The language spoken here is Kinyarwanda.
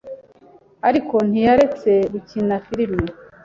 ariko ntiyaretse gukina films